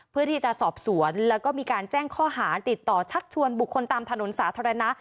เพื่อที่จะสอบสวนแล้วก็มีการแจ้งข้อหาติดต่อชักชวนบุคคลตามถนนสาธารณะ